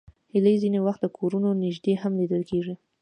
هیلۍ ځینې وخت د کورونو نږدې هم لیدل کېږي